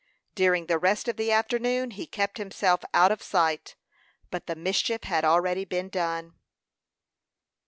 During the rest of the afternoon he kept himself out of sight; but the mischief had already been done.